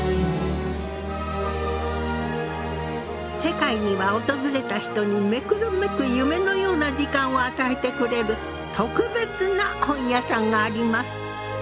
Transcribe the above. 世界には訪れた人に目くるめく夢のような時間を与えてくれる特別な本屋さんがあります。